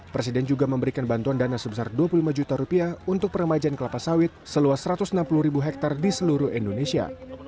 presiden juga memberikan bantuan dana sebesar dua puluh lima juta rupiah untuk peremajaan kelapa sawit seluas satu ratus enam puluh ribu hektare di seluruh indonesia